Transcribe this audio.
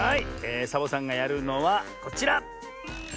えサボさんがやるのはこちら。